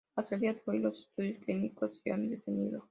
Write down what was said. Hasta el día de hoy, los estudios clínicos se han detenido.